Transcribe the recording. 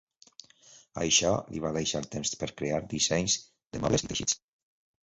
Això li va deixar temps per crear dissenys de mobles i teixits.